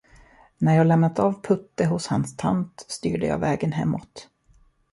När jag lämnat av Putte hos hans tant, styrde jag vägen hemåt.